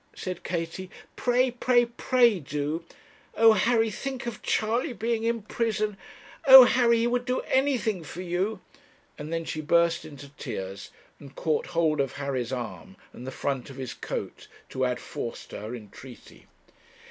said Katie, 'pray, pray, pray, do! Oh, Harry, think of Charley being in prison! Oh, Harry, he would do anything for you!' and then she burst into tears, and caught hold of Harry's arm and the front of his coat to add force to her entreaty.